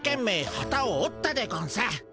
ハタをおったでゴンス。